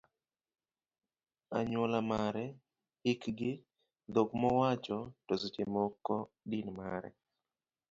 anyuola mare, hikgi, dhok mowacho, to seche moko din mare.